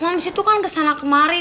mams itu kan kesana kemari